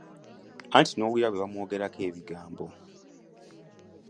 Anti n'owulira bwe bamumwogerako ebigambo!